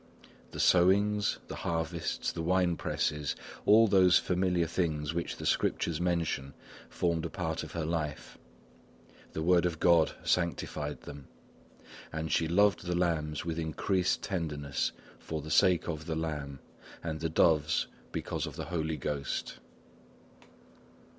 The sowings, the harvests, the wine presses, all those familiar things which the Scriptures mention, formed a part of her life; the word of God sanctified them; and she loved the lambs with increased tenderness for the sake of the Lamb, and the doves because of the Holy Ghost.